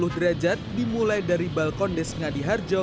tiga ratus enam puluh derajat dimulai dari balkon desngadi harjo